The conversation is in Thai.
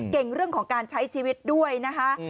เรื่องของการใช้ชีวิตด้วยนะคะ